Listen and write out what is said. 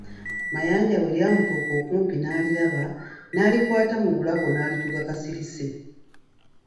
Mayanja bwe lyamutuuka okumpi n'aliraba, n'alikwata mu bulago n'alituga kasirise.